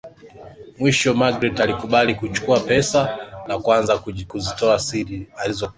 Mwisho Magreth alikubali kuchukua pes ana kuanza kjutoa zile siri lizokuwa nazo